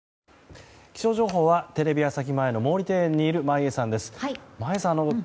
気象情報はテレビ朝日前の毛利庭園にいる眞家さんです。